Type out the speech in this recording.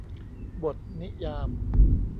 บทนิยาม